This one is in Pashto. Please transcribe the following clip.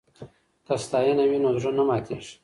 که ستاینه وي نو زړه نه ماتیږي.